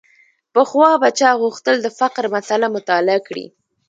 پخوا به چا غوښتل د فقر مسأله مطالعه کړي.